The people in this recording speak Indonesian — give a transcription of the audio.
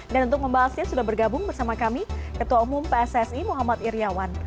dan untuk membahasnya sudah bergabung bersama kami ketua umum pssi muhammad iryawan